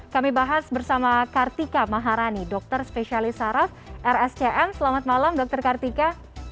kami bahas bersama kartika maharani dokter spesialis saraf rscm selamat malam dr kartika